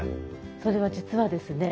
それは実はですね